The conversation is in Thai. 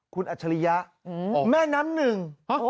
คุณอัจฉริยะแม่น้ำหนึ่ง